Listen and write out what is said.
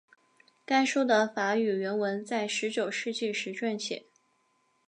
该书的法语原文在十九世纪时撰写。